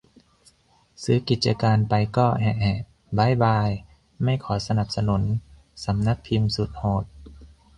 ซื้อกิจการไปก็ แหะ แหะ บ๊ายบาย ไม่ขอสนับสนุนสำนักพิมพ์สุดโหด